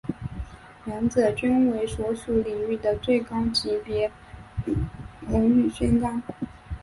两者均为所属领域的最高级别荣誉勋章。